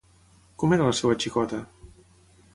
Com era la seva xicota?